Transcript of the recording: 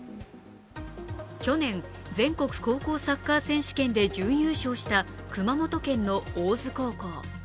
去年、全国高校サッカー選手権で準優勝した熊本県の大津高校。